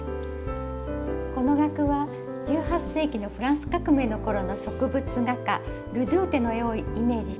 この額は１８世紀のフランス革命の頃の植物画家ルドゥーテの絵をイメージして制作しました。